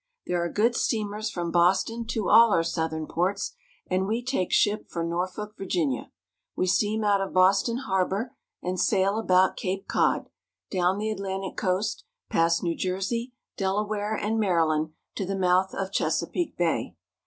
There are good steamers from Boston to all our southern ports, and we take ship for Norfolk, Virginia. We steam out of Boston harbor, and sail about Cape Cod, dow^n the Atlantic coast, past New Jer sey, Delaware, and Maryland, to the mouth of Chesapeake Bay.